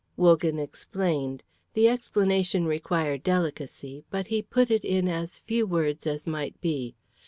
Wogan explained. The explanation required delicacy, but he put it in as few words as might be.